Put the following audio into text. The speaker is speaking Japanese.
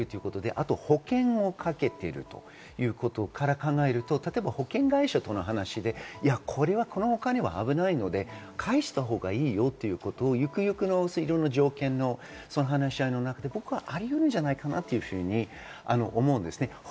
あと保険をかけているということから考えると保険会社との話でこのお金は危ないので返したほうがいいよということをゆくゆくの条件の話し合いの中でありうるんじゃないかなと思います。